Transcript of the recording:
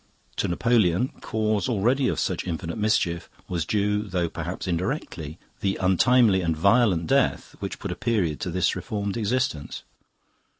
To Napoleon, cause already of such infinite mischief, was due, though perhaps indirectly, the untimely and violent death which put a period to this reformed existence.